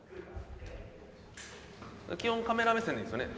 基本カメラ目線ですよね？